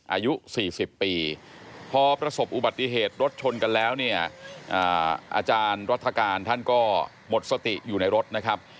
อายุ๔๐ปีพอประสบอุบัติเหตุรถชนกันแล้วเนี่ยอาจารย์รัฐการท่านก็หมดสติอยู่ในรถนะครับ